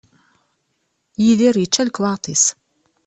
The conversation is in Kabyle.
Yidir yečča lekwaɣeḍ-is.